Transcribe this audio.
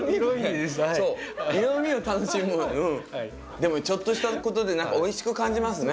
でもちょっとしたことで何かおいしく感じますね。